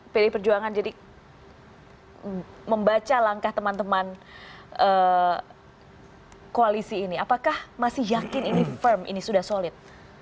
pdi perjuangan jadi membaca langkah teman teman koalisi ini apakah masih yakin ini firm ini sudah solid